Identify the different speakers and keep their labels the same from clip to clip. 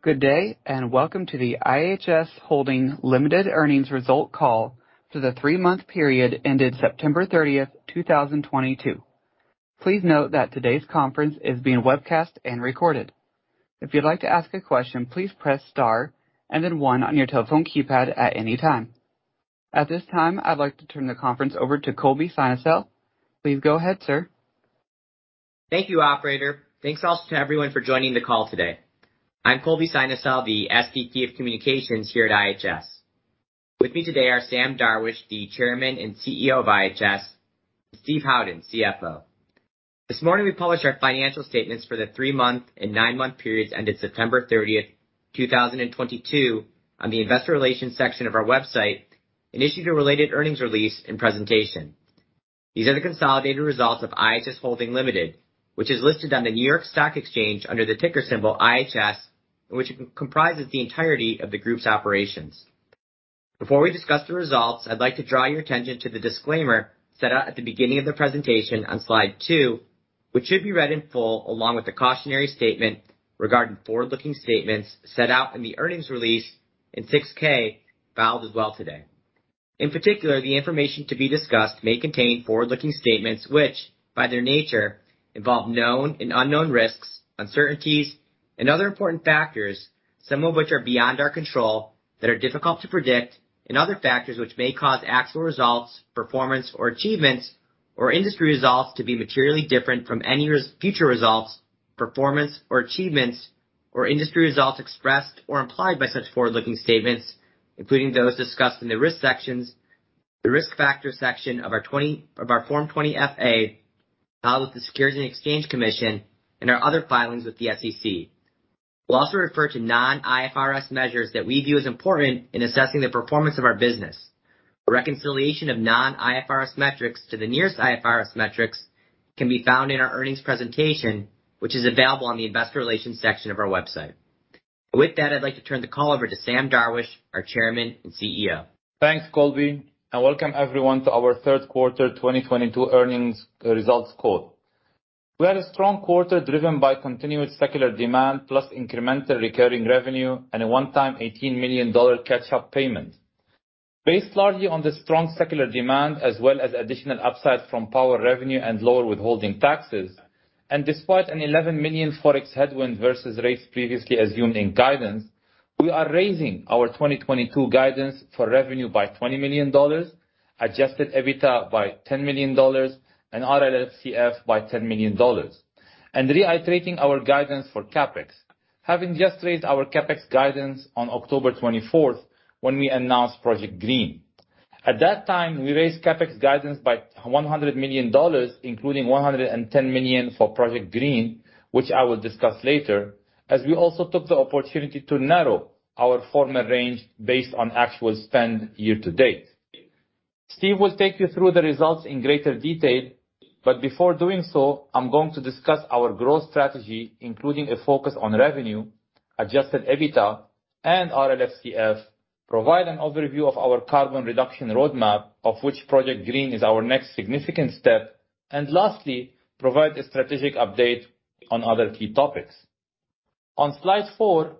Speaker 1: Good day, and welcome to the IHS Holding Limited Earnings Result Call for the three-month period ended September 30, 2022. Please note that today's conference is being webcast and recorded. If you'd like to ask a question, please press star and then one on your telephone keypad at any time. At this time, I'd like to turn the conference over to Colby Synesael. Please go ahead, sir.
Speaker 2: Thank you, operator. Thanks also to everyone for joining the call today. I'm Colby Synesael, the SVP of Communications here at IHS. With me today are Sam Darwish, the Chairman and CEO of IHS, Steve Howden, CFO. This morning we published our financial statements for the three-month and nine-month periods ended September 30, 2022 on the investor relations section of our website and issued a related earnings release and presentation. These are the consolidated results of IHS Holding Limited, which is listed on the New York Stock Exchange under the ticker symbol IHS, which comprises the entirety of the group's operations. Before we discuss the results, I'd like to draw your attention to the disclaimer set out at the beginning of the presentation on slide two, which should be read in full, along with the cautionary statement regarding forward-looking statements set out in the earnings release in 6-K, filed as well today. In particular, the information to be discussed may contain forward-looking statements which, by their nature, involve known and unknown risks, uncertainties, and other important factors, some of which are beyond our control, that are difficult to predict, and other factors which may cause actual results, performance, or achievements or industry results to be materially different from any future results, performance, or achievements or industry results expressed or implied by such forward-looking statements, including those discussed in the risk sections. The risk factors section of our Form 20-F, filed with the Securities and Exchange Commission and our other filings with the SEC. We'll also refer to non-IFRS measures that we view as important in assessing the performance of our business. A reconciliation of non-IFRS metrics to the nearest IFRS metrics can be found in our earnings presentation, which is available on the investor relations section of our website. With that, I'd like to turn the call over to Sam Darwish, our Chairman and CEO.
Speaker 3: Thanks, Colby, and welcome everyone to our third quarter 2022 earnings results call. We had a strong quarter driven by continuous secular demand plus incremental recurring revenue and a one-time $18 million catch-up payment. Based largely on the strong secular demand as well as additional upside from power revenue and lower withholding taxes, and despite an $11 million FX headwind versus rates previously assumed in guidance, we are raising our 2022 guidance for revenue by $20 million, Adjusted EBITDA by $10 million, and RLFCF by $10 million. Reiterating our guidance for CapEx, having just raised our CapEx guidance on October 24 when we announced Project Green. At that time, we raised CapEx guidance by $100 million, including $110 million for Project Green, which I will discuss later, as we also took the opportunity to narrow our former range based on actual spend year to date. Steve will take you through the results in greater detail, but before doing so, I'm going to discuss our growth strategy, including a focus on revenue, Adjusted EBITDA, and RLFCF, provide an overview of our Carbon Reduction Roadmap, of which Project Green is our next significant step, and lastly, provide a strategic update on other key topics. On slide four,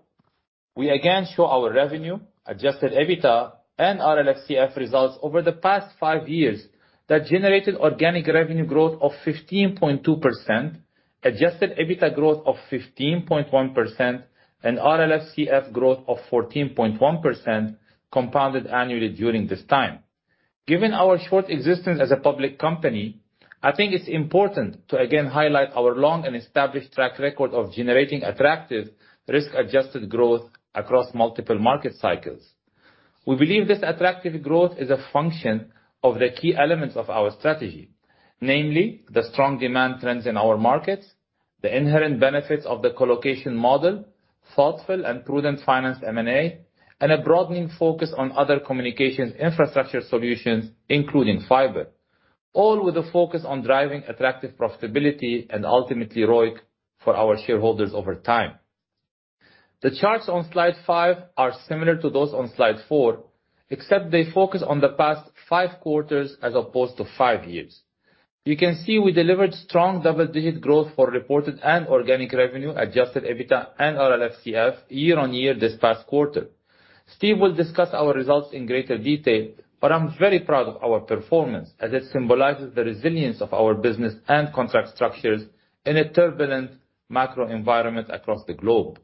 Speaker 3: we again show our revenue, Adjusted EBITDA, and RLFCF results over the past five years that generated organic revenue growth of 15.2%, Adjusted EBITDA growth of 15.1%, and RLFCF growth of 14.1% compounded annually during this time. Given our short existence as a public company, I think it's important to again highlight our long and established track record of generating attractive risk-adjusted growth across multiple market cycles. We believe this attractive growth is a function of the key elements of our strategy. Namely, the strong demand trends in our markets, the inherent benefits of the colocation model, thoughtful and prudent finance M&A, and a broadening focus on other communications infrastructure solutions, including fiber. All with a focus on driving attractive profitability and ultimately ROIC for our shareholders over time. The charts on slide five are similar to those on slide four, except they focus on the past five quarters as opposed to five years. You can see we delivered strong double-digit growth for reported and organic revenue, Adjusted EBITDA and RLFCF year on year this past quarter. Steve will discuss our results in greater detail, but I'm very proud of our performance as it symbolizes the resilience of our business and contract structures in a turbulent macro environment across the globe.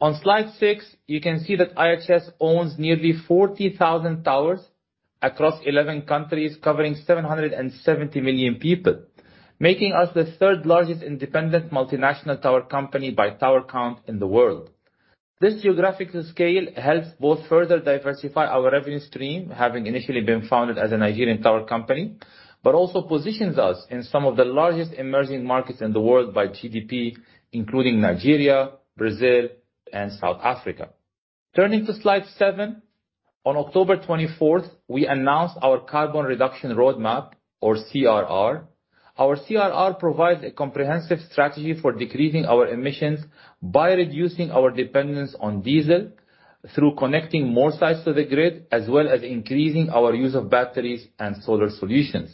Speaker 3: On slide six, you can see that IHS owns nearly 40,000 towers across 11 countries, covering 770 million people, making us the third-largest independent multinational tower company by tower count in the world. This geographical scale helps both further diversify our revenue stream, having initially been founded as a Nigerian tower company, but also positions us in some of the largest emerging markets in the world by GDP, including Nigeria, Brazil, and South Africa. Turning to slide seven. On October 24, we announced our Carbon Reduction Roadmap or CRR. Our CRR provides a comprehensive strategy for decreasing our emissions by reducing our dependence on diesel through connecting more sites to the grid, as well as increasing our use of batteries and solar solutions.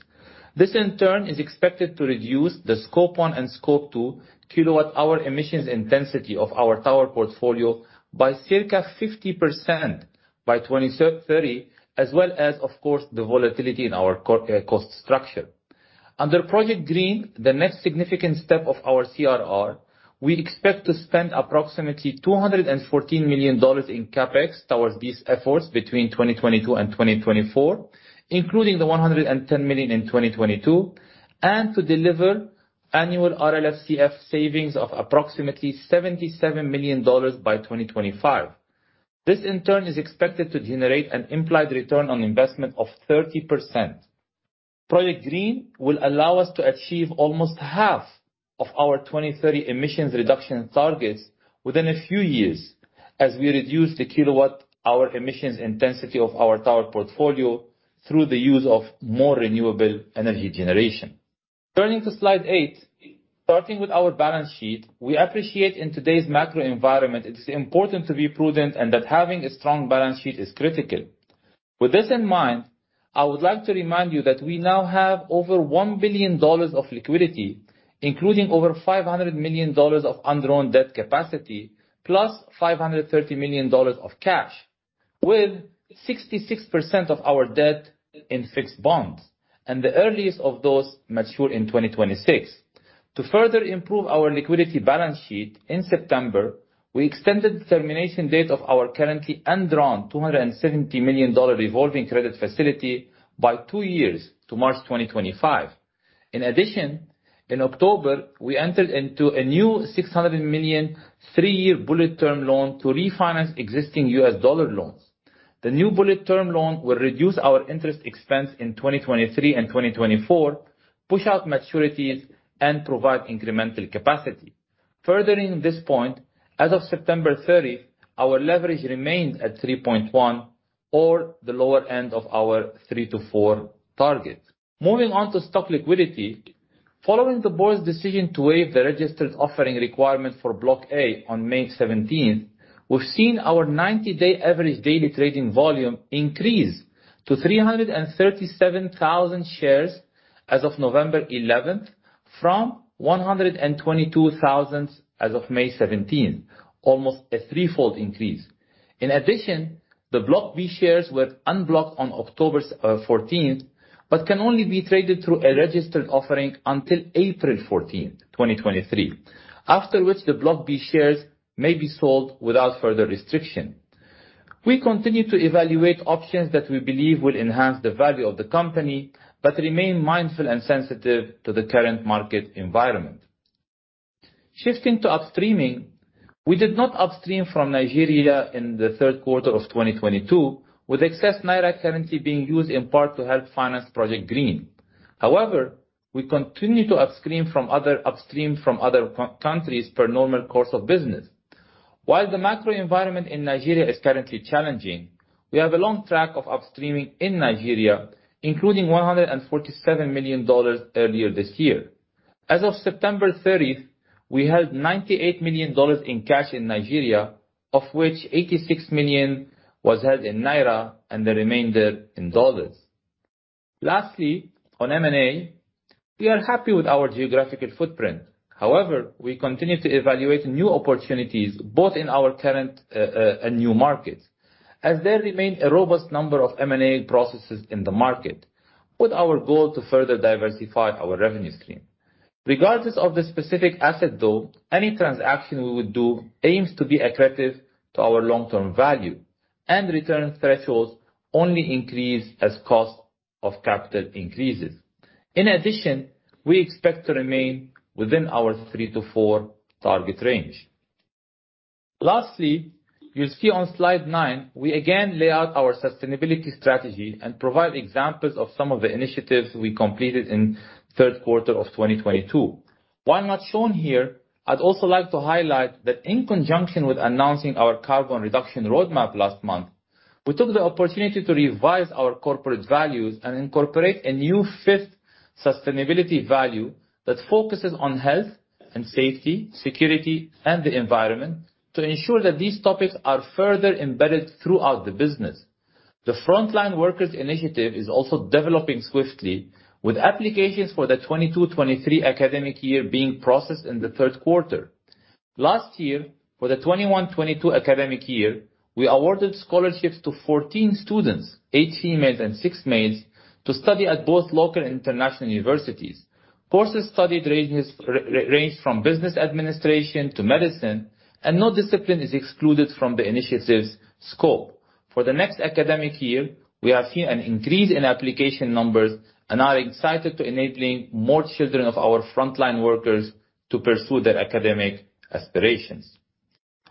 Speaker 3: This, in turn, is expected to reduce the Scope 1 and Scope 2 kWh emissions intensity of our tower portfolio by circa 50% by 2030, as well as, of course, the volatility in our OpEx cost structure. Under Project Green, the next significant step of our CRR, we expect to spend approximately $214 million in CapEx towards these efforts between 2022 and 2024, including the $110 million in 2022, and to deliver annual RLFCF savings of approximately $77 million by 2025. This, in turn, is expected to generate an implied return on investment of 30%. Project Green will allow us to achieve almost half of our 2030 emissions reduction targets within a few years as we reduce the kilowatt, our emissions intensity of our tower portfolio through the use of more renewable energy generation. Turning to slide eight. Starting with our balance sheet, we appreciate in today's macro environment it is important to be prudent and that having a strong balance sheet is critical. With this in mind, I would like to remind you that we now have over $1 billion of liquidity, including over $500 million of undrawn debt capacity, plus $530 million of cash, with 66% of our debt in fixed bonds, and the earliest of those mature in 2026. To further improve our liquidity balance sheet, in September, we extended the termination date of our currently undrawn $270 million revolving credit facility by two years to March 2025. In addition, in October, we entered into a new $600 million three-year bullet term loan to refinance existing U.S. dollar loans. The new bullet term loan will reduce our interest expense in 2023 and 2024, push out maturities and provide incremental capacity. Furthering this point, as of September 30, our leverage remains at 3.1 or the lower end of our three to four target. Moving on to stock liquidity. Following the board's decision to waive the registered offering requirement for Block A on May 17, we've seen our 90-day average daily trading volume increase to 337,000 shares as of November 11 from 122,000 as of May 17. Almost a threefold increase. In addition, the Class B shares were unblocked on October 14, but can only be traded through a registered offering until April 14, 2023, after which the Class B shares may be sold without further restriction. We continue to evaluate options that we believe will enhance the value of the company, but remain mindful and sensitive to the current market environment. Shifting to upstreaming. We did not upstream from Nigeria in the third quarter of 2022, with excess naira currency being used in part to help finance Project Green. However, we continue to upstream from other countries per normal course of business. While the macro environment in Nigeria is currently challenging, we have a long track record of upstreaming in Nigeria, including $147 million earlier this year. As of September 30th, we held $98 million in cash in Nigeria, of which 86 million was held in naira and the remainder in dollars. Lastly, on M&A, we are happy with our geographical footprint. However, we continue to evaluate new opportunities both in our current and new markets, as there remains a robust number of M&A processes in the market. But our goal to further diversify our revenue stream. Regardless of the specific asset though, any transaction we would do aims to be accretive to our long-term value and return thresholds only increase as cost of capital increases. In addition, we expect to remain within our three to four target range. Lastly, you'll see on slide nine, we again lay out our sustainability strategy and provide examples of some of the initiatives we completed in third quarter of 2022. While not shown here, I'd also like to highlight that in conjunction with announcing our Carbon Reduction Roadmap last month, we took the opportunity to revise our corporate values and incorporate a new fifth sustainability value that focuses on health and safety, security and the environment to ensure that these topics are further embedded throughout the business. The frontline workers initiative is also developing swiftly, with applications for the 2023 academic year being processed in the third quarter. Last year, for the 2022 academic year, we awarded scholarships to 14 students, eight females and six males, to study at both local and international universities. Courses studied range from business administration to medicine, and no discipline is excluded from the initiative's scope. For the next academic year, we have seen an increase in application numbers and are excited to enable more children of our frontline workers to pursue their academic aspirations.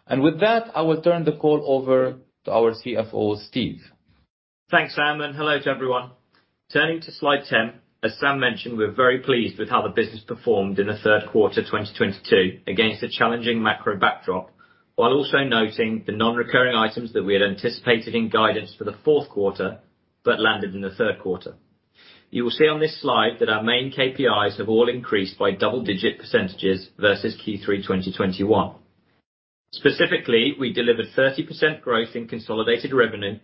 Speaker 3: With that, I will turn the call over to our CFO, Steve.
Speaker 4: Thanks, Sam, and hello to everyone. Turning to slide 10. As Sam mentioned, we're very pleased with how the business performed in the third quarter, 2022 against a challenging macro backdrop, while also noting the non-recurring items that we had anticipated in guidance for the fourth quarter, but landed in the third quarter. You will see on this slide that our main KPIs have all increased by double-digit percentages versus Q3 2021. Specifically, we delivered 30% growth in consolidated revenue,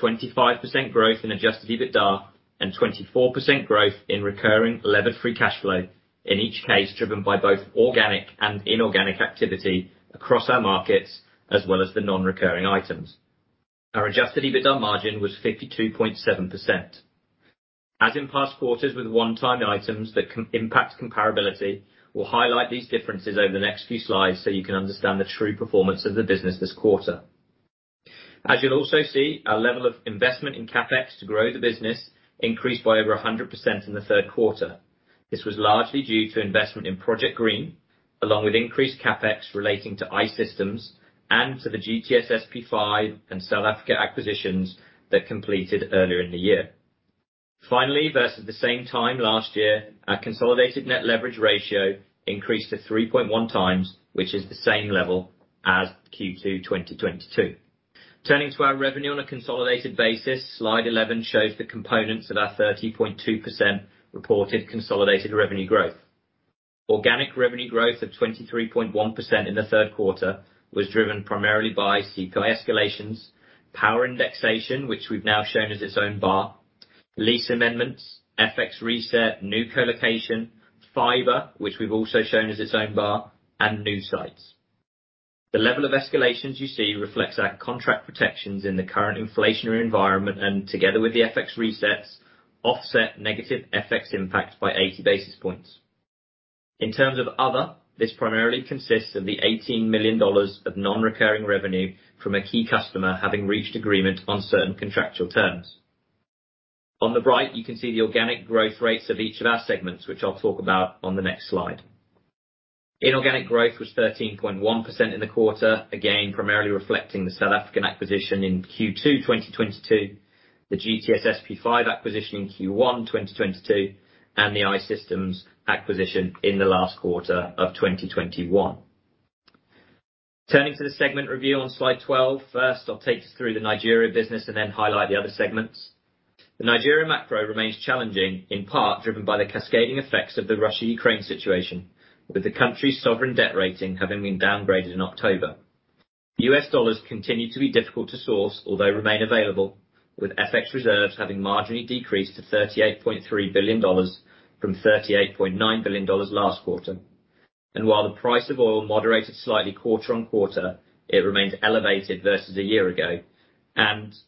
Speaker 4: 25% growth in Adjusted EBITDA, and 24% growth in recurring levered free cash flow, in each case driven by both organic and inorganic activity across our markets as well as the non-recurring items. Our Adjusted EBITDA margin was 52.7%. As in past quarters with one-time items that can impact comparability, we'll highlight these differences over the next few slides so you can understand the true performance of the business this quarter. As you'll also see, our level of investment in CapEx to grow the business increased by over 100% in the third quarter. This was largely due to investment in Project Green, along with increased CapEx relating to I-Systems and to the GTS SP5 and South Africa acquisitions that completed earlier in the year. Finally, versus the same time last year, our consolidated net leverage ratio increased to 3.1x, which is the same level as Q2 2022. Turning to our revenue on a consolidated basis, slide 11 shows the components of our 30.2% reported consolidated revenue growth. Organic revenue growth of 23.1% in the third quarter was driven primarily by CPI escalations, power indexation, which we've now shown as its own bar, lease amendments, FX reset, new colocation, fiber, which we've also shown as its own bar, and new sites. The level of escalations you see reflects our contract protections in the current inflationary environment and together with the FX resets, offset negative FX impact by 80 basis points. In terms of other, this primarily consists of the $18 million of non-recurring revenue from a key customer having reached agreement on certain contractual terms. On the right, you can see the organic growth rates of each of our segments, which I'll talk about on the next slide. Inorganic growth was 13.1% in the quarter, again, primarily reflecting the South African acquisition in Q2 2022, the GTS SP5 acquisition in Q1 2022, and the I-Systems acquisition in the last quarter of 2021. Turning to the segment review on slide 12. First, I'll take you through the Nigeria business and then highlight the other segments. The Nigeria macro remains challenging, in part driven by the cascading effects of the Russia-Ukraine situation, with the country's sovereign debt rating having been downgraded in October. U.S. dollars continue to be difficult to source, although remain available, with FX reserves having marginally decreased to $38.3 billion from $38.9 billion last quarter. While the price of oil moderated slightly quarter-over-quarter, it remains elevated versus a year ago.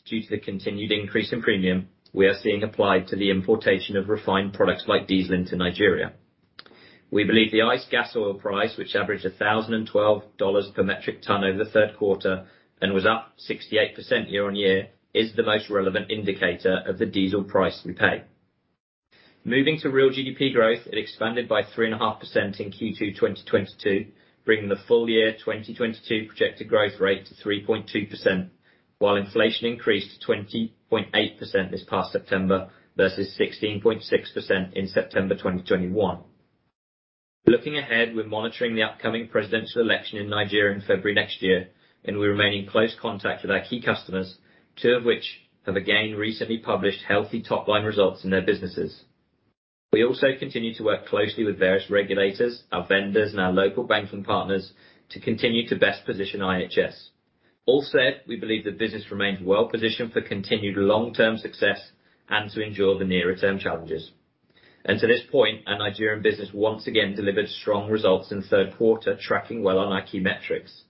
Speaker 4: Due to the continued increase in premium, we are seeing applied to the importation of refined products like diesel into Nigeria. We believe the ICE Gasoil price, which averaged $1,012 per metric ton over the third quarter and was up 68% year-on-year, is the most relevant indicator of the diesel price we pay. Moving to real GDP growth, it expanded by 3.5% in Q2 2022, bringing the full year 2022 projected growth rate to 3.2%, while inflation increased to 20.8% this past September versus 16.6% in September 2021. Looking ahead, we're monitoring the upcoming presidential election in Nigeria in February next year, and we remain in close contact with our key customers, two of which have again recently published healthy top-line results in their businesses. We also continue to work closely with various regulators, our vendors, and our local banks and partners to continue to best position IHS. All said, we believe the business remains well positioned for continued long-term success and to endure the nearer-term challenges. To this point, our Nigerian business once again delivered strong results in the third quarter, tracking well on our key metrics.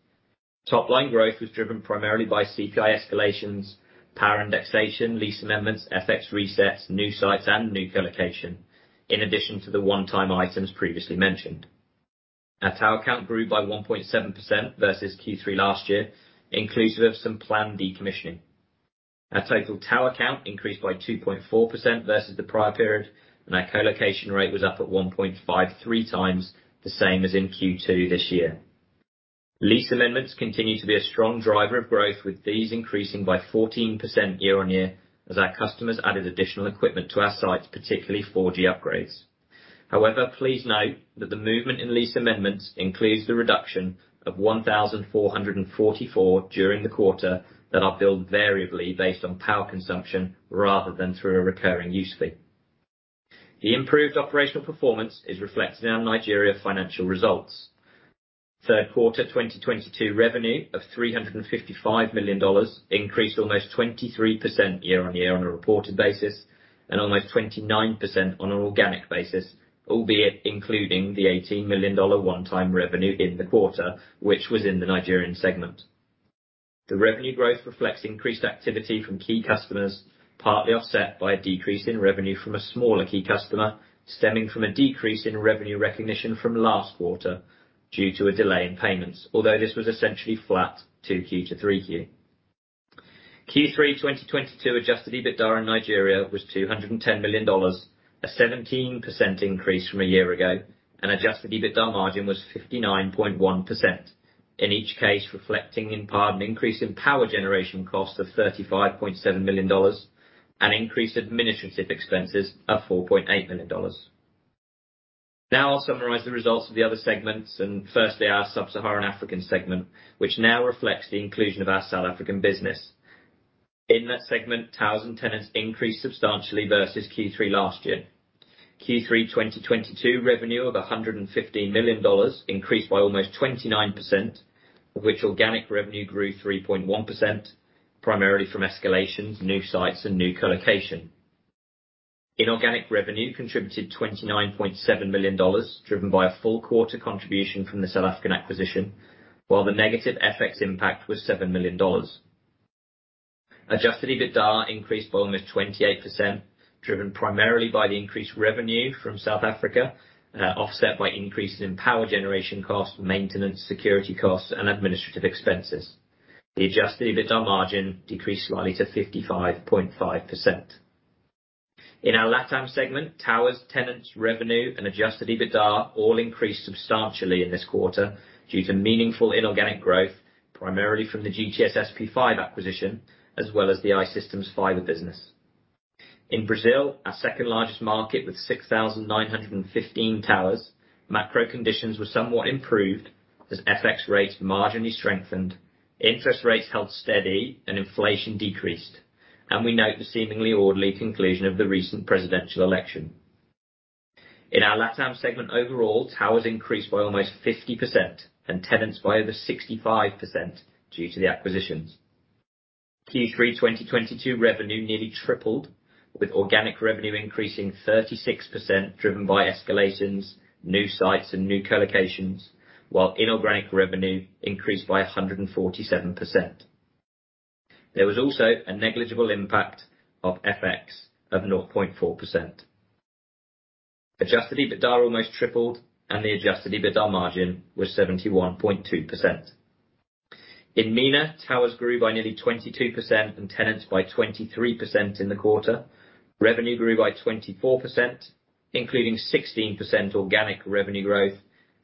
Speaker 4: Top line growth was driven primarily by CPI escalations, power indexation, lease amendments, FX resets, new sites, and new colocation, in addition to the one-time items previously mentioned. Our tower count grew by 1.7% versus Q3 last year, inclusive of some planned decommissioning. Our total tower count increased by 2.4% versus the prior period, and our colocation rate was up at 1.5, three times the same as in Q2 this year. Lease amendments continue to be a strong driver of growth, with these increasing by 14% year-on-year as our customers added additional equipment to our sites, particularly 4G upgrades. However, please note that the movement in lease amendments includes the reduction of 1,444 during the quarter that are billed variably based on power consumption rather than through a recurring use fee. The improved operational performance is reflected in our Nigerian financial results. Third quarter 2022 revenue of $355 million increased almost 23% year-on-year on a reported basis, and almost 29% on an organic basis, albeit including the $18 million one-time revenue in the quarter, which was in the Nigerian segment. The revenue growth reflects increased activity from key customers, partly offset by a decrease in revenue from a smaller key customer stemming from a decrease in revenue recognition from last quarter due to a delay in payments, although this was essentially flat Q2 to Q3. Q3 2022 Adjusted EBITDA in Nigeria was $210 million, a 17% increase from a year ago, and Adjusted EBITDA margin was 59.1%. In each case, reflecting in part an increase in power generation cost of $35.7 million, an increase in administrative expenses of $4.8 million. Now I'll summarize the results of the other segments, and firstly, our sub-Saharan African segment, which now reflects the inclusion of our South African business. In that segment, towers and tenants increased substantially versus Q3 last year. Q3 2022 revenue of $115 million increased by almost 29%, of which organic revenue grew 3.1%, primarily from escalations, new sites and new colocation. Inorganic revenue contributed $29.7 million, driven by a full quarter contribution from the South African acquisition, while the negative FX impact was $7 million. Adjusted EBITDA increased by almost 28%, driven primarily by the increased revenue from South Africa, offset by increases in power generation costs, maintenance, security costs, and administrative expenses. The Adjusted EBITDA margin decreased slightly to 55.5%. In our LATAM segment, towers, tenants, revenue and Adjusted EBITDA all increased substantially in this quarter due to meaningful inorganic growth, primarily from the GTS SP5 acquisition, as well as the I-Systems fiber business. In Brazil, our second-largest market with 6,915 towers, macro conditions were somewhat improved as FX rates marginally strengthened, interest rates held steady and inflation decreased, and we note the seemingly orderly conclusion of the recent presidential election. In our LATAM segment overall, towers increased by almost 50% and tenants by over 65% due to the acquisitions. Q3 2022 revenue nearly tripled, with organic revenue increasing 36% driven by escalations, new sites and new collocations, while inorganic revenue increased by 147%. There was also a negligible impact of FX of 0.4%. Adjusted EBITDA almost tripled and the Adjusted EBITDA margin was 71.2%. In MENA, towers grew by nearly 22% and tenants by 23% in the quarter. Revenue grew by 24%, including 16% organic revenue growth,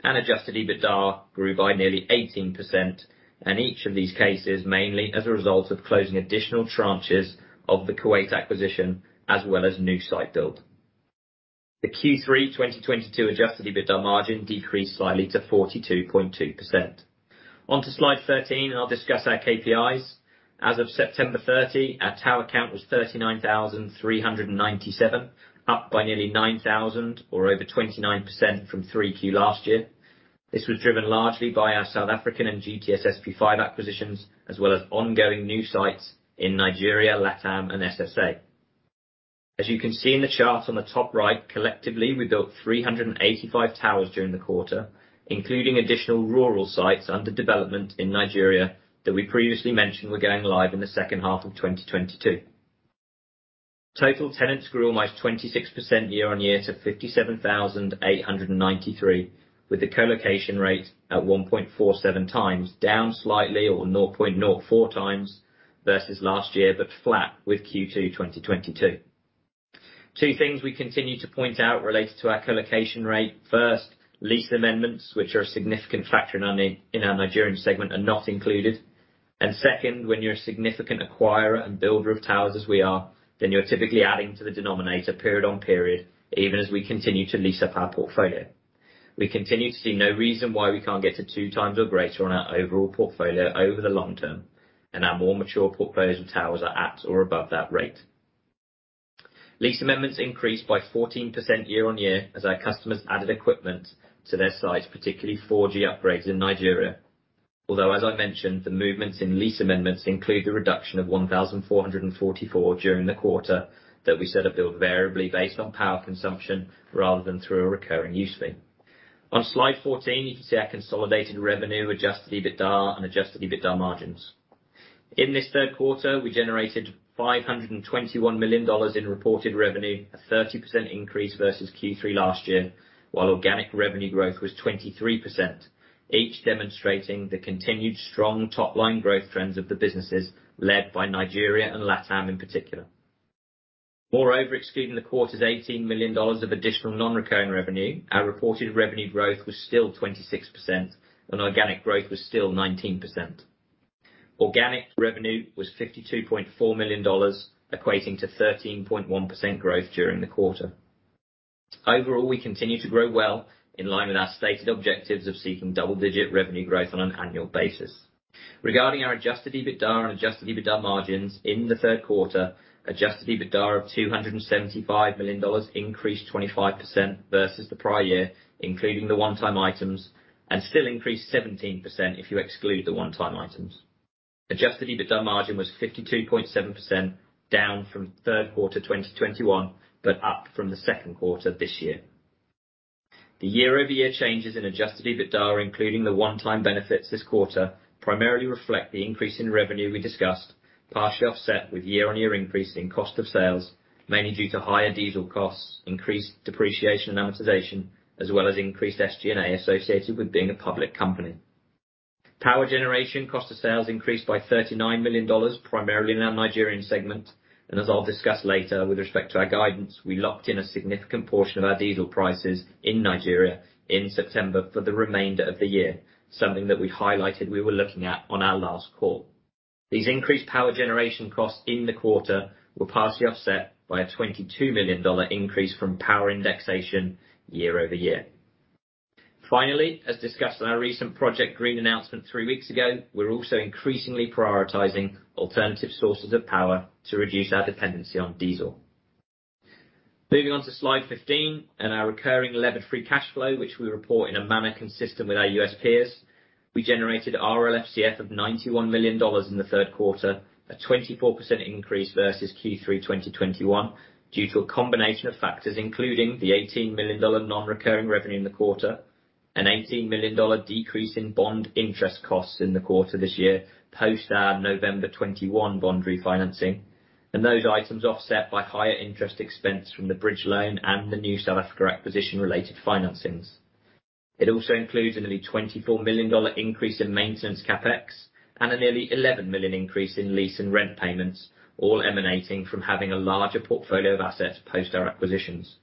Speaker 4: and Adjusted EBITDA grew by nearly 18%, and each of these cases mainly as a result of closing additional tranches of the Kuwait acquisition as well as new site build. The Q3 2022 Adjusted EBITDA margin decreased slightly to 42.2%. On to slide 13. I'll discuss our KPIs. As of September 30, our tower count was 39,397, up by nearly 9,000 or over 29% from Q3 last year. This was driven largely by our South African and GTS SP5 acquisitions as well as ongoing new sites in Nigeria, LATAM and SSA. As you can see in the chart on the top right, collectively, we built 385 towers during the quarter, including additional rural sites under development in Nigeria that we previously mentioned were going live in the second half of 2022. Total tenants grew almost 26% year on year to 57,893, with a colocation rate at 1.47x, down slightly or 0.04x versus last year, but flat with Q2 2022. Two things we continue to point out related to our colocation rate. First, lease amendments, which are a significant factor in our Nigerian segment, are not included. Second, when you're a significant acquirer and builder of towers as we are, then you're typically adding to the denominator period on period, even as we continue to lease up our portfolio. We continue to see no reason why we can't get to two times or greater on our overall portfolio over the long term, and our more mature portfolios and towers are at or above that rate. Lease amendments increased by 14% year-on-year as our customers added equipment to their sites, particularly 4G upgrades in Nigeria. Although, as I mentioned, the movements in lease amendments include the reduction of 1,444 during the quarter that we said are billed variably based on power consumption rather than through a recurring use fee. On slide 14, you can see our consolidated revenue, Adjusted EBITDA and Adjusted EBITDA margins. In this third quarter, we generated $521 million in reported revenue, a 30% increase versus Q3 last year, while organic revenue growth was 23%, each demonstrating the continued strong top-line growth trends of the businesses led by Nigeria and LATAM in particular. Moreover, excluding the quarter's $18 million of additional non-recurring revenue, our reported revenue growth was still 26% and organic growth was still 19%. Organic revenue was $52.4 million, equating to 13.1% growth during the quarter. Overall, we continue to grow well in line with our stated objectives of seeking double-digit revenue growth on an annual basis. Regarding our Adjusted EBITDA and Adjusted EBITDA margins in the third quarter, Adjusted EBITDA of $275 million increased 25% versus the prior year, including the one-time items, and still increased 17% if you exclude the one-time items. Adjusted EBITDA margin was 52.7%, down from third quarter 2021, but up from the second quarter this year. The year-over-year changes in Adjusted EBITDA, including the one-time benefits this quarter, primarily reflect the increase in revenue we discussed, partially offset with year-over-year increase in cost of sales, mainly due to higher diesel costs, increased depreciation and amortization, as well as increased SG&A associated with being a public company. Power generation cost of sales increased by $39 million, primarily in our Nigerian segment. As I'll discuss later with respect to our guidance, we locked in a significant portion of our diesel prices in Nigeria in September for the remainder of the year, something that we highlighted we were looking at on our last call. These increased power generation costs in the quarter were partially offset by a $22 million increase from power indexation year-over-year. Finally, as discussed on our recent Project Green announcement three weeks ago, we're also increasingly prioritizing alternative sources of power to reduce our dependency on diesel. Moving on to slide 15 and our recurring levered free cash flow, which we report in a manner consistent with our U.S. peers. We generated RLFCF of $91 million in the third quarter, a 24% increase versus Q3 2021, due to a combination of factors, including the $18 million non-recurring revenue in the quarter, an $18 million decrease in bond interest costs in the quarter this year, post our November 2021 bond refinancing. Those items offset by higher interest expense from the bridge loan and the new South Africa acquisition-related financings. It also includes a nearly $24 million increase in maintenance CapEx and a nearly $11 million increase in lease and rent payments, all emanating from having a larger portfolio of assets post our acquisitions.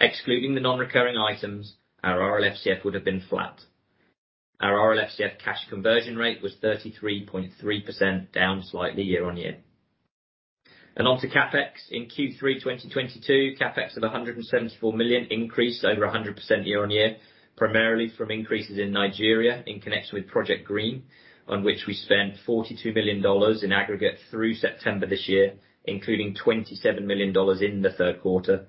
Speaker 4: Excluding the non-recurring items, our RLFCF would have been flat. Our RLFCF cash conversion rate was 33.3%, down slightly year-on-year. On to CapEx in Q3 2022, CapEx of $174 million increased over 100% year-on-year, primarily from increases in Nigeria in connection with Project Green, on which we spent $42 million in aggregate through September this year, including $27 million in the third quarter.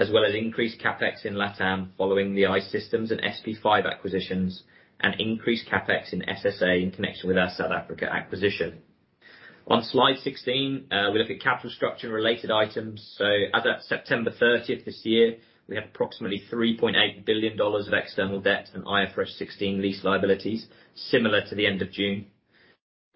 Speaker 4: As well as increased CapEx in LATAM following the I-Systems and SP5 acquisitions, and increased CapEx in SSA in connection with our South Africa acquisition. On slide 16, we look at capital structure and related items. As of September 30 this year, we have approximately $3.8 billion of external debt and IFRS 16 lease liabilities similar to the end of June.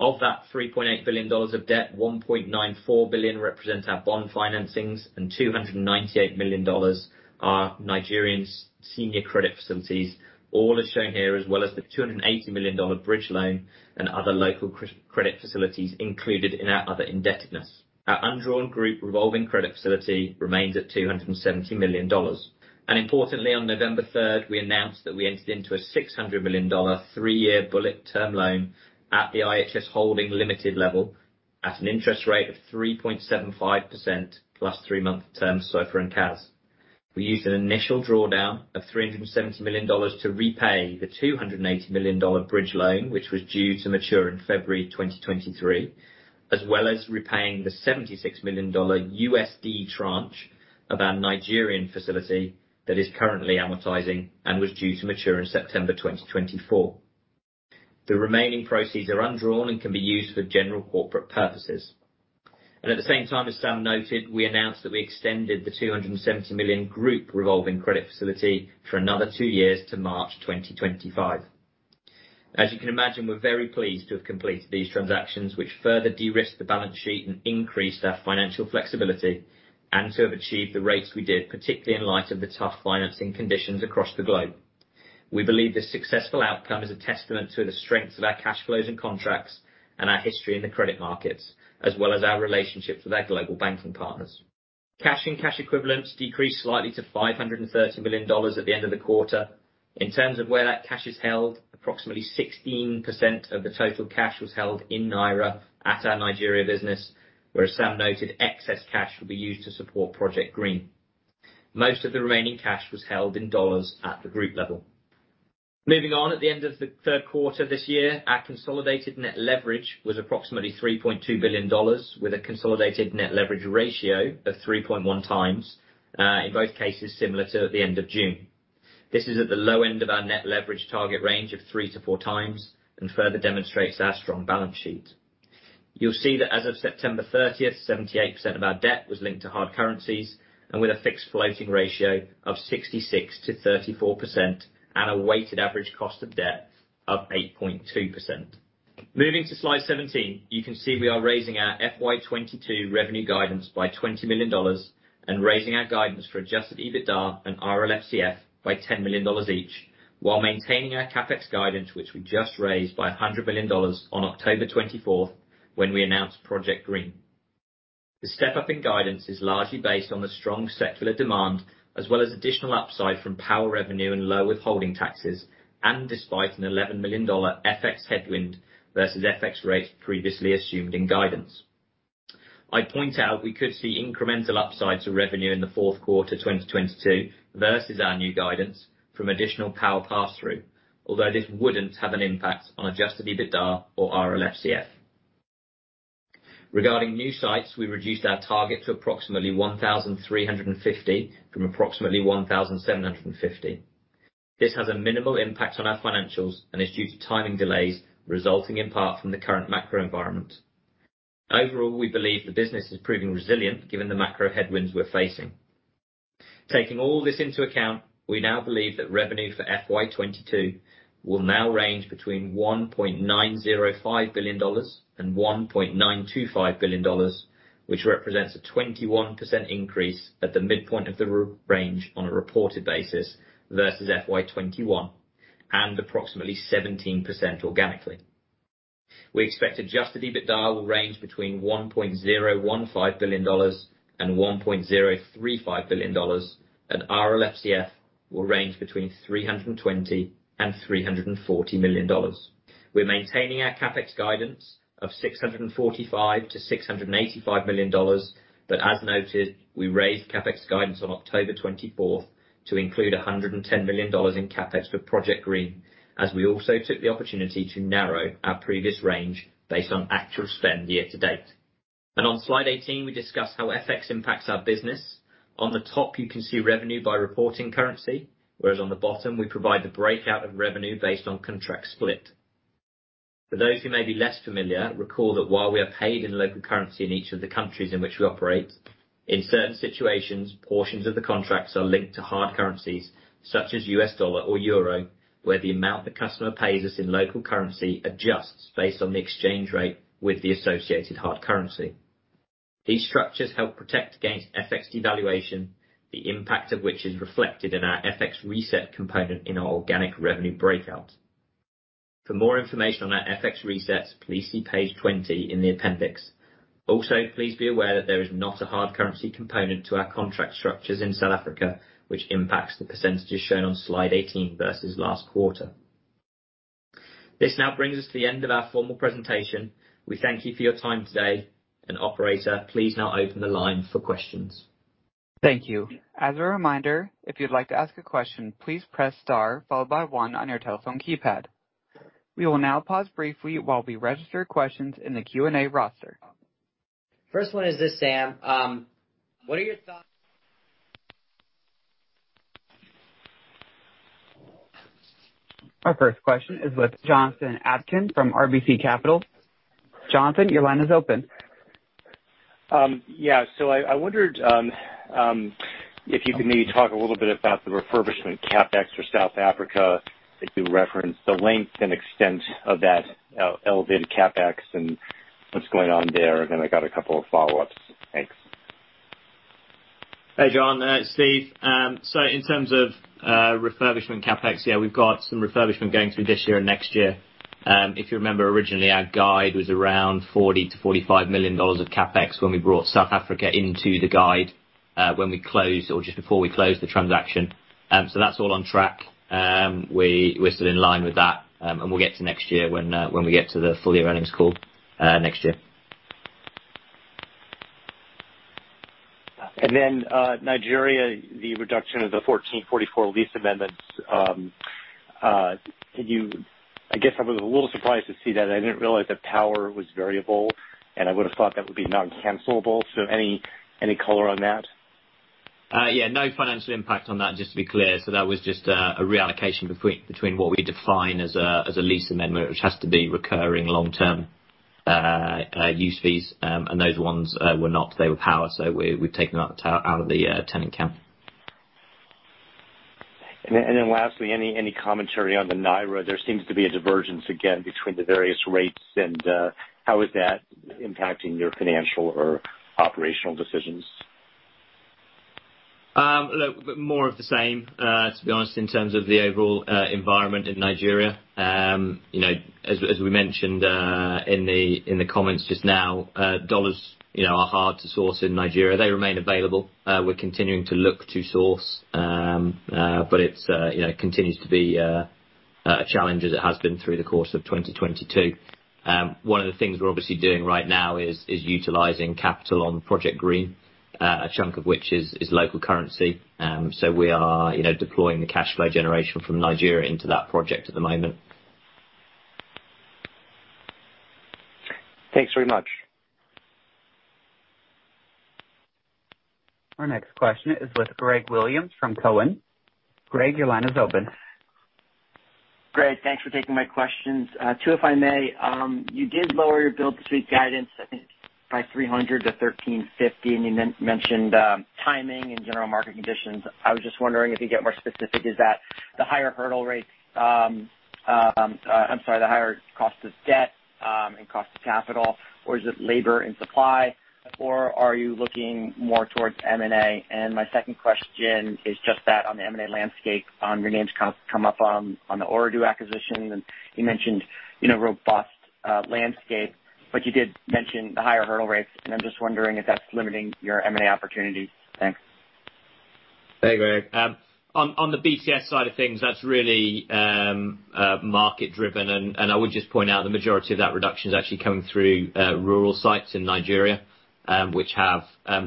Speaker 4: Of that $3.8 billion of debt, $1.94 billion represents our bond financings, and $298 million are Nigerian senior credit facilities. All as shown here, as well as the $280 million bridge loan and other local credit facilities included in our other indebtedness. Our undrawn group revolving credit facility remains at $270 million. Importantly, on November 3, we announced that we entered into a $600 million three-year bullet term loan at the IHS Holding Limited level at an interest rate of 3.75% plus three-month term SOFR and CSA. We used an initial drawdown of $370 million to repay the $280 million bridge loan, which was due to mature in February 2023, as well as repaying the $76 million USD tranche of our Nigerian facility that is currently amortizing and was due to mature in September 2024. The remaining proceeds are undrawn and can be used for general corporate purposes. At the same time, as Sam noted, we announced that we extended the $270 million group revolving credit facility for another two years to March 2025. As you can imagine, we're very pleased to have completed these transactions which further de-risk the balance sheet and increased our financial flexibility, and to have achieved the rates we did, particularly in light of the tough financing conditions across the globe. We believe this successful outcome is a testament to the strength of our cash flows and contracts and our history in the credit markets, as well as our relationships with our global banking partners. Cash and cash equivalents decreased slightly to $530 million at the end of the quarter. In terms of where that cash is held, approximately 16% of the total cash was held in Naira at our Nigeria business, where Sam noted excess cash will be used to support Project Green. Most of the remaining cash was held in dollars at the group level. Moving on at the end of the third quarter this year, our consolidated net leverage was approximately $3.2 billion, with a consolidated net leverage ratio of 3.1x, in both cases similar to the end of June. This is at the low end of our net leverage target range of three to four times and further demonstrates our strong balance sheet. You'll see that as of September 30, 78% of our debt was linked to hard currencies and with a fixed floating ratio of 66%-34% and a weighted average cost of debt of 8.2%. Moving to slide 17, you can see we are raising our FY 2022 revenue guidance by $20 million and raising our guidance for Adjusted EBITDA and RLFCF by $10 million each, while maintaining our CapEx guidance, which we just raised by $100 million on October 24 when we announced Project Green. The step-up in guidance is largely based on the strong 5G demand as well as additional upside from power revenue and low withholding taxes, and despite an $11 million FX headwind versus FX rates previously assumed in guidance. I'd point out we could see incremental upside to revenue in the fourth quarter 2022 versus our new guidance from additional power pass-through, although this wouldn't have an impact on Adjusted EBITDA or RLFCF. Regarding new sites, we reduced our target to approximately 1,350 from approximately 1,750. This has a minimal impact on our financials and is due to timing delays resulting in part from the current macro environment. Overall, we believe the business is proving resilient given the macro headwinds we're facing. Taking all this into account, we now believe that revenue for FY 2022 will now range between $1.905 billion and $1.925 billion, which represents a 21% increase at the midpoint of the range on a reported basis versus FY 2021, and approximately 17% organically. We expect Adjusted EBITDA will range between $1.015 billion and $1.035 billion, and RLFCF will range between $320 million and $340 million. We're maintaining our CapEx guidance of $645 million-$685 million. As noted, we raised CapEx guidance on October twenty-fourth to include $110 million in CapEx for Project Green, as we also took the opportunity to narrow our previous range based on actual spend year to date. On slide 18, we discuss how FX impacts our business. On the top, you can see revenue by reporting currency, whereas on the bottom we provide the breakout of revenue based on contract split. For those who may be less familiar, recall that while we are paid in local currency in each of the countries in which we operate, in certain situations, portions of the contracts are linked to hard currencies such as U.S. Dollar or euro, where the amount the customer pays us in local currency adjusts based on the exchange rate with the associated hard currency. These structures help protect against FX devaluation, the impact of which is reflected in our FX reset component in our organic revenue breakout. For more information on our FX resets, please see page 20 in the appendix. Also, please be aware that there is not a hard currency component to our contract structures in South Africa, which impacts the percentages shown on slide 18 versus last quarter. This now brings us to the end of our formal presentation. We thank you for your time today. Operator, please now open the line for questions.
Speaker 1: Thank you. As a reminder, if you'd like to ask a question, please press star followed by one on your telephone keypad. We will now pause briefly while we register questions in the Q&A roster.
Speaker 2: First one is this, Sam. What are your thoughts?
Speaker 1: Our first question is with Jonathan Atkin from RBC Capital. Jonathan, your line is open.
Speaker 5: Yeah. I wondered if you could maybe talk a little bit about the refurbishment CapEx for South Africa that you referenced, the length and extent of that elevated CapEx and what's going on there. I got a couple of follow-ups. Thanks.
Speaker 4: Hey, Jonathan. It's Steve. In terms of refurbishment CapEx, yeah, we've got some refurbishment going through this year and next year. If you remember, originally our guide was around $40 million-$45 million of CapEx when we brought South Africa into the guide, when we closed or just before we closed the transaction. That's all on track. We're still in line with that. We'll get to next year when we get to the full year earnings call next year.
Speaker 5: Nigeria, the reduction of the 1,444 lease amendments, I guess I was a little surprised to see that. I didn't realize that power was variable, and I would have thought that would be noncancelable. Any color on that?
Speaker 4: Yeah, no financial impact on that, just to be clear. That was just a reallocation between what we define as a lease amendment, which has to be recurring long-term use fees. Those ones were not. They were power. We've taken that out of the tenant count.
Speaker 5: Lastly, any commentary on the Naira? There seems to be a divergence again between the various rates and how is that impacting your financial or operational decisions?
Speaker 4: Look, more of the same, to be honest, in terms of the overall environment in Nigeria. You know, as we mentioned in the comments just now, dollars, you know, are hard to source in Nigeria. They remain available. We're continuing to look to source. It's, you know, continues to be a challenge as it has been through the course of 2022. One of the things we're obviously doing right now is utilizing capital on Project Green, a chunk of which is local currency. We are, you know, deploying the cash flow generation from Nigeria into that project at the moment.
Speaker 5: Thanks very much.
Speaker 1: Our next question is with Greg Williams from Cowen. Greg, your line is open.
Speaker 6: Great. Thanks for taking my questions. Two, if I may. You did lower your build-to-suit guidance, I think by 300-1,350, and you mentioned timing and general market conditions. I was just wondering if you could get more specific. Is that the higher hurdle rate, I'm sorry, the higher cost of debt and cost of capital, or is it labor and supply, or are you looking more towards M&A? My second question is just that on the M&A landscape, your name's come up on then order acquisition and you mentioned you know robust landscape, but you did mention the higher hurdle rates. I'm just wondering if that's limiting your M&A opportunities. Thanks.
Speaker 4: Hey, Greg. On the BTS side of things, that's really market driven. I would just point out the majority of that reduction is actually coming through rural sites in Nigeria, which have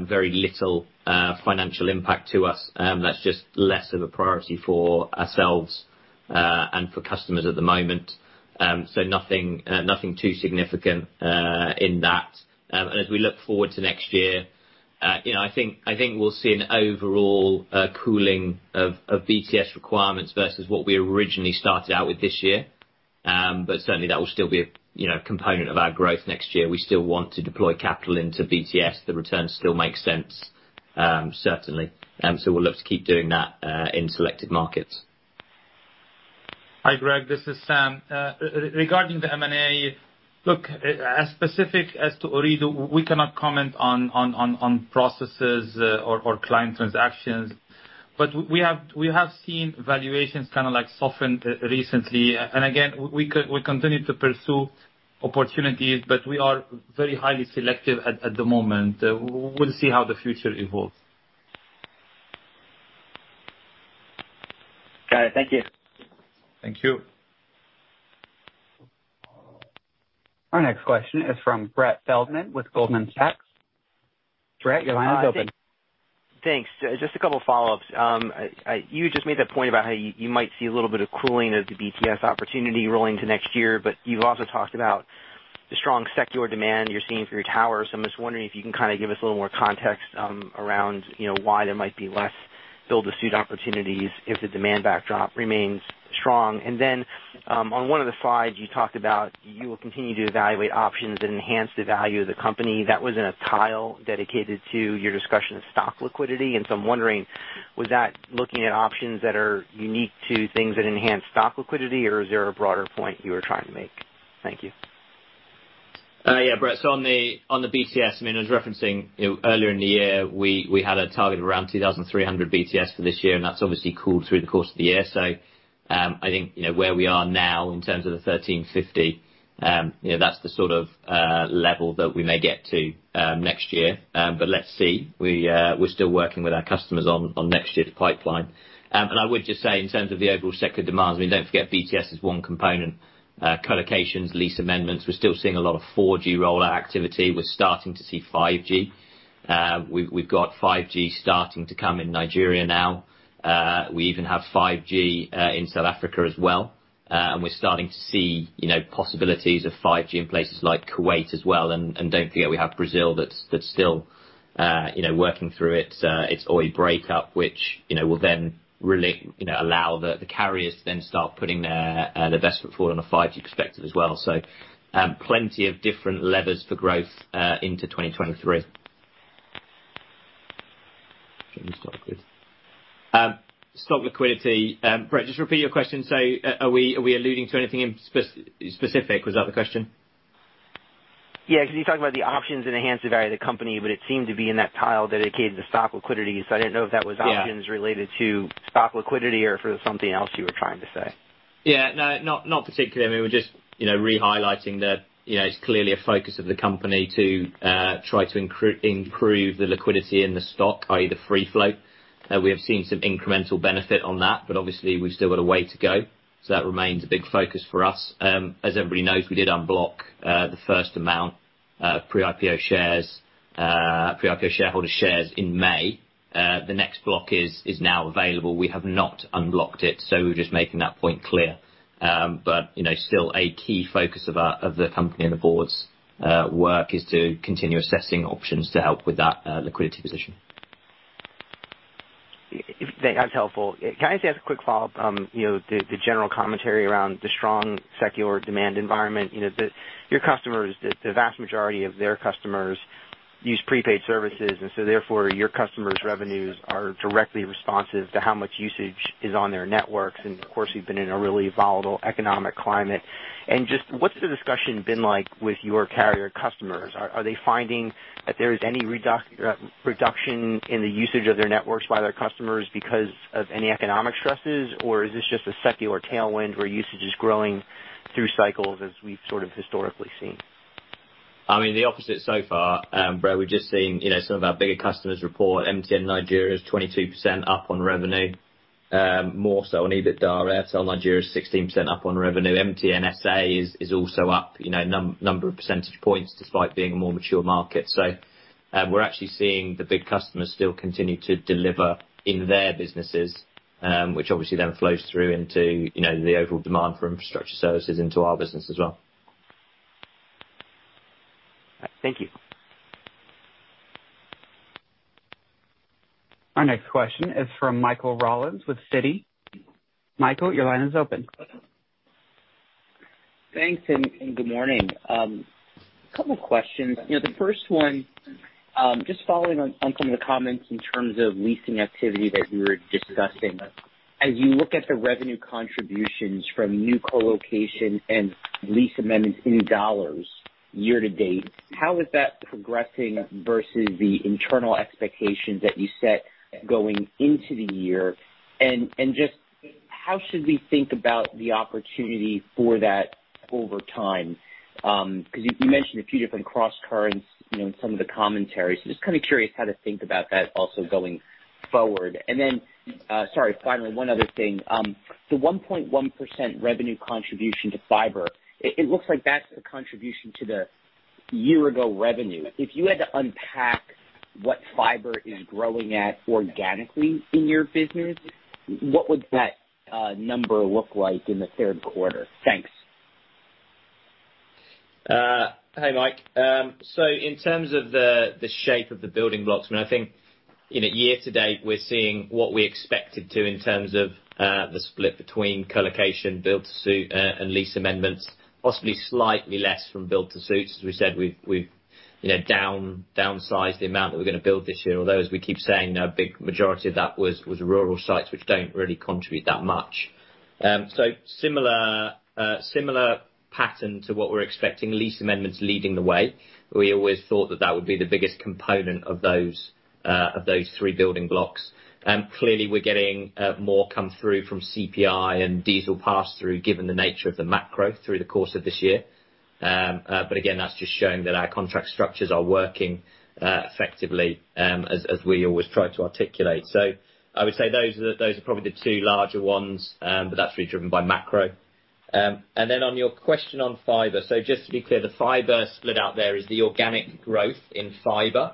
Speaker 4: very little financial impact to us. That's just less of a priority for ourselves and for customers at the moment. Nothing too significant in that. As we look forward to next year, you know, I think we'll see an overall cooling of BTS requirements versus what we originally started out with this year. Certainly that will still be a you know, component of our growth next year. We still want to deploy capital into BTS. The returns still make sense, certainly. We'll look to keep doing that in selected markets.
Speaker 3: Hi, Greg, this is Sam. Regarding the M&A, look, as specific as to Ooredoo, we cannot comment on processes or client transactions. We have seen valuations kind of like soften recently. Again, we continue to pursue opportunities, but we are very highly selective at the moment. We'll see how the future evolves.
Speaker 6: All right. Thank you.
Speaker 4: Thank you.
Speaker 1: Our next question is from Brett Feldman with Goldman Sachs. Brett, your line is open.
Speaker 7: Thanks. Just a couple of follow-ups. You just made that point about how you might see a little bit of cooling of the BTS opportunity rolling to next year, but you've also talked about the strong secular demand you're seeing for your towers. I'm just wondering if you can kinda give us a little more context around you know why there might be less build-to-suit opportunities if the demand backdrop remains strong. On one of the slides you talked about you will continue to evaluate options that enhance the value of the company. That was in a tile dedicated to your discussion of stock liquidity. I'm wondering was that looking at options that are unique to things that enhance stock liquidity or is there a broader point you were trying to make? Thank you.
Speaker 4: Yeah, Brett Feldman, so on the BTS, I mean, I was referencing, you know, earlier in the year we had a target around 2,300 BTS for this year, and that's obviously cooled through the course of the year. I think, you know, where we are now in terms of the 1,350, you know, that's the sort of level that we may get to next year. Let's see. We're still working with our customers on next year's pipeline. I would just say in terms of the overall sector demands, I mean, don't forget BTS is one component. Collocations, lease amendments, we're still seeing a lot of 4G rollout activity. We're starting to see 5G. We've got 5G starting to come in Nigeria now. We even have 5G in South Africa as well. We're starting to see, you know, possibilities of 5G in places like Kuwait as well. Don't forget we have Brazil that's still, you know, working through its Oi breakup, which, you know, will then really, you know, allow the carriers to then start putting their best foot forward on a 5G perspective as well. Plenty of different levers for growth into 2023. Stock liquidity. Brett, just repeat your question. Are we alluding to anything specific? Was that the question?
Speaker 7: Yeah, 'cause you talked about the options that enhance the value of the company, but it seemed to be in that tile dedicated to stock liquidity. I didn't know if that was?
Speaker 4: Yeah.
Speaker 7: options related to stock liquidity or if there was something else you were trying to say?
Speaker 4: Yeah. No, not particularly. I mean, we're just, you know, re-highlighting that, you know, it's clearly a focus of the company to try to improve the liquidity in the stock, i.e. the free float. We have seen some incremental benefit on that, but obviously we've still got a way to go. That remains a big focus for us. As everybody knows, we did unlock the first amount pre-IPO shareholder shares in May. The next block is now available. We have not unlocked it, so we're just making that point clear. You know, still a key focus of the company and the board's work is to continue assessing options to help with that liquidity position.
Speaker 7: That's helpful. Can I just ask a quick follow-up? You know, the general commentary around the strong secular demand environment. You know, your customers, the vast majority of their customers use prepaid services, and so therefore your customers' revenues are directly responsive to how much usage is on their networks. Of course, we've been in a really volatile economic climate. Just what's the discussion been like with your carrier customers? Are they finding that there is any reduction in the usage of their networks by their customers because of any economic stresses? Or is this just a secular tailwind where usage is growing through cycles as we've sort of historically seen?
Speaker 4: I mean, the opposite so far, Brett. We've just seen, you know, some of our bigger customers report. MTN Nigeria is 22% up on revenue, more so on EBITDA. Airtel Nigeria is 16% up on revenue. MTN SA is also up, you know, number of percentage points despite being a more mature market. We're actually seeing the big customers still continue to deliver in their businesses, which obviously then flows through into, you know, the overall demand for infrastructure services into our business as well.
Speaker 7: Thank you.
Speaker 1: Our next question is from Michael Rollins with Citi. Michael, your line is open.
Speaker 8: Thanks, good morning. Couple questions. You know, the first one, just following on some of the comments in terms of leasing activity that you were discussing. As you look at the revenue contributions from new colocation and lease amendments in dollars year to date, how is that progressing versus the internal expectations that you set going into the year? Just how should we think about the opportunity for that over time? because you mentioned a few different crosscurrents, you know, in some of the commentary. So just kinda curious how to think about that also going forward. Sorry, finally, one other thing. The 1.1% revenue contribution to fiber, it looks like that's a contribution to the year-ago revenue. If you had to unpack what fiber is growing at organically in your business, what would that number look like in the third quarter? Thanks.
Speaker 4: Hey, Mike. In terms of the shape of the building blocks, I mean, I think year to date we're seeing what we expected to in terms of the split between colocation, build-to-suit, and lease amendments, possibly slightly less from build-to-suits. As we said, we've you know, downsized the amount that we're gonna build this year, although as we keep saying, a big majority of that was rural sites which don't really contribute that much. Similar pattern to what we're expecting, lease amendments leading the way. We always thought that would be the biggest component of those three building blocks. Clearly we're getting more coming through from CPI and diesel pass-through given the nature of the macro through the course of this year. Again, that's just showing that our contract structures are working effectively, as we always try to articulate. I would say those are probably the two larger ones, but that's really driven by macro. Then on your question on fiber. Just to be clear, the fiber split out there is the organic growth in fiber.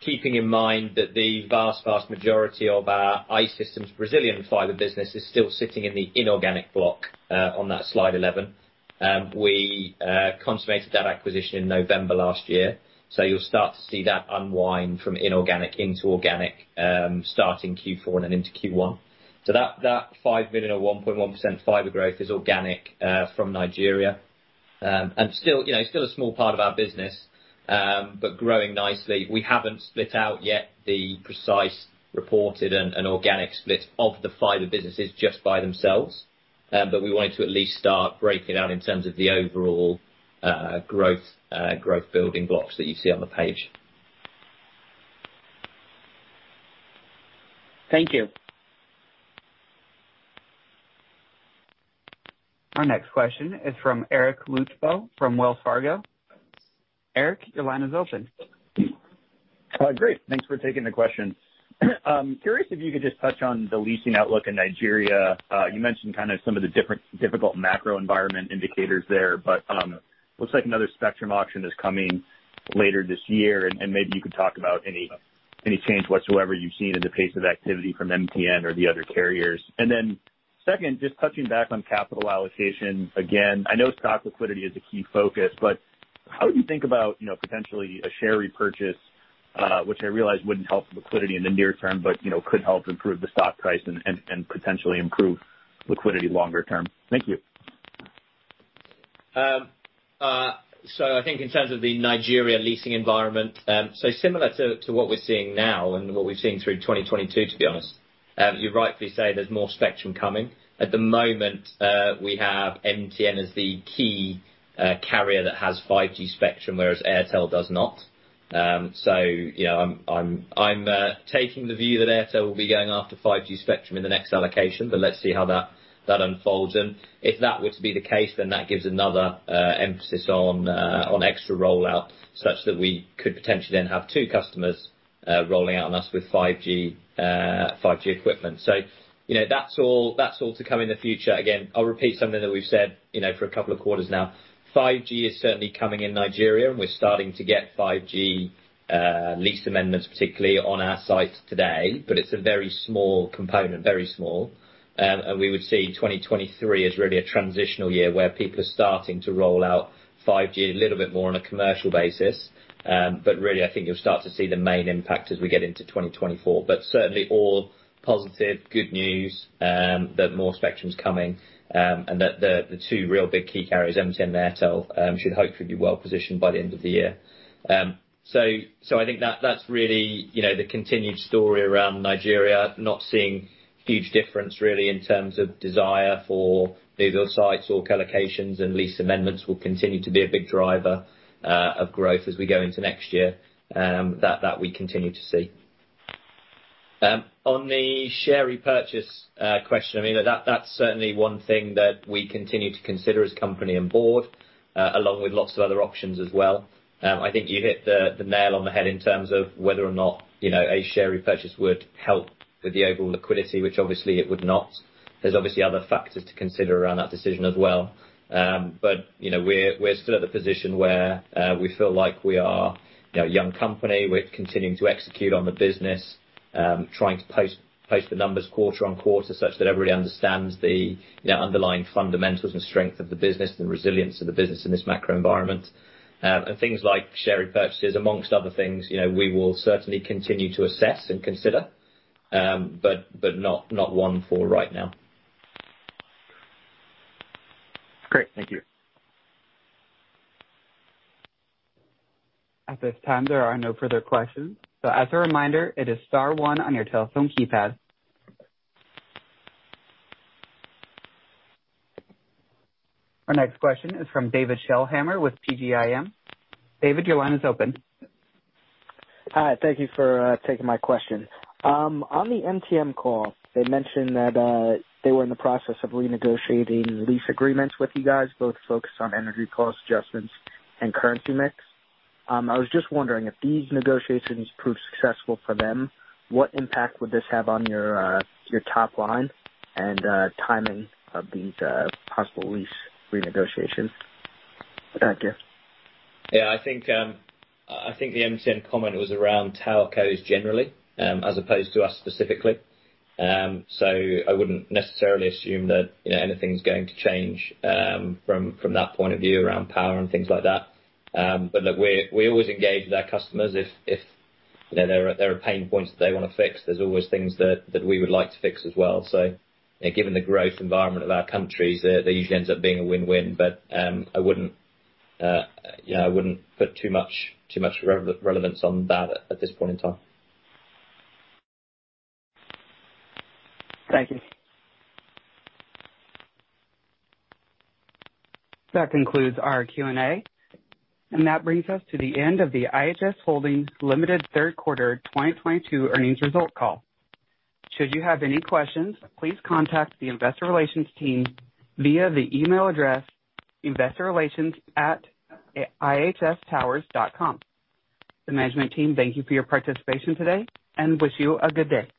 Speaker 4: Keeping in mind that the vast majority of our I-Systems Brazilian fiber business is still sitting in the inorganic block, on that slide 11. We consummated that acquisition in November last year. You'll start to see that unwind from inorganic into organic, starting Q4 and into Q1. That 5 million or 1.1% fiber growth is organic from Nigeria. Still, you know, a small part of our business but growing nicely. We haven't split out yet the precise reported and organic split of the fiber businesses just by themselves. We wanted to at least start breaking out in terms of the overall growth building blocks that you see on the page.
Speaker 8: Thank you.
Speaker 1: Our next question is from Eric Luebchow from Wells Fargo. Eric, your line is open.
Speaker 9: Great. Thanks for taking the question. Curious if you could just touch on the leasing outlook in Nigeria. You mentioned kinda some of the difficult macro environment indicators there, but looks like another spectrum auction is coming later this year, and maybe you could talk about any change whatsoever you've seen in the pace of activity from MTN or the other carriers. Second, just touching back on capital allocation. Again, I know stock liquidity is a key focus, but how do you think about, you know, potentially a share repurchase, which I realize wouldn't help liquidity in the near term, but, you know, could help improve the stock price and potentially improve liquidity longer term? Thank you.
Speaker 4: I think in terms of the Nigeria leasing environment, similar to what we're seeing now and what we've seen through 2022, to be honest, you rightly say there's more spectrum coming. At the moment, we have MTN as the key carrier that has 5G spectrum, whereas Airtel does not. You know, I'm taking the view that Airtel will be going after 5G spectrum in the next allocation, but let's see how that unfolds. If that were to be the case, then that gives another emphasis on extra rollout, such that we could potentially then have two customers rolling out on us with 5G equipment. You know, that's all to come in the future. Again, I'll repeat something that we've said, you know, for a couple of quarters now. 5G is certainly coming in Nigeria, and we're starting to get 5G lease amendments, particularly on our sites today, but it's a very small component, very small. We would see 2023 as really a transitional year where people are starting to roll out 5G a little bit more on a commercial basis. Really I think you'll start to see the main impact as we get into 2024. Certainly all positive, good news that more spectrum's coming, and that the two real big key carriers, MTN and Airtel, should hopefully be well positioned by the end of the year. I think that's really, you know, the continued story around Nigeria. Not seeing huge difference really in terms of desire for new build sites or colocations and lease amendments will continue to be a big driver of growth as we go into next year, that we continue to see. On the share repurchase question, I mean, that's certainly one thing that we continue to consider as company and board, along with lots of other options as well. I think you hit the nail on the head in terms of whether or not, you know, a share repurchase would help with the overall liquidity, which obviously it would not. There's obviously other factors to consider around that decision as well. You know, we're still at the position where we feel like we are, you know, a young company. We're continuing to execute on the business, trying to post the numbers quarter on quarter such that everybody understands the, you know, underlying fundamentals and strength of the business and resilience of the business in this macro environment. Things like share repurchases among other things, you know, we will certainly continue to assess and consider, but not one for right now.
Speaker 9: Great. Thank you.
Speaker 1: At this time, there are no further questions. As a reminder, it is star one on your telephone keypad. Our next question is from David Schellhammer with PGIM. David, your line is open.
Speaker 10: Hi. Thank you for taking my question. On the MTN call, they mentioned that they were in the process of renegotiating lease agreements with you guys, both focused on energy cost adjustments and currency mix. I was just wondering if these negotiations proved successful for them, what impact would this have on your top line and timing of these possible lease renegotiations? Thank you.
Speaker 4: Yeah. I think the MTN comment was around telcos generally, as opposed to us specifically. I wouldn't necessarily assume that, you know, anything's going to change, from that point of view around power and things like that. Look, we always engage with our customers if there are pain points that they wanna fix. There's always things that we would like to fix as well. You know, given the growth environment of our countries, it usually ends up being a win-win, but I wouldn't, you know, put too much relevance on that at this point in time.
Speaker 10: Thank you.
Speaker 2: That concludes our Q&A, and that brings us to the end of the IHS Holding Limited third quarter 2022 earnings result call. Should you have any questions, please contact the investor relations team via the email address, investorrelations@ihstowers.com. The management team thank you for your participation today and wish you a good day.